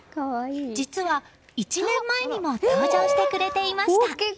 実は、１年前にも登場してくれていました。